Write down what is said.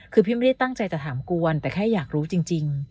คือพี่ไม่ได้ตั้งใจจะถามกวนแต่แค่อยากรู้จริง